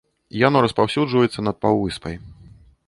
Яно распаўсюджваецца над паўвыспай.